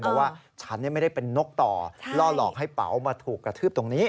บอกว่าฉันไม่ได้เป็นนกต่อล่อหลอกให้เป๋ามาถูกกระทืบตรงนี้